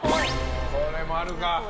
これもあるか。